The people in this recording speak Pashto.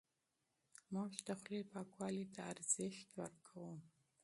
موږ د خولې پاکوالي ته ارزښت ورکوو.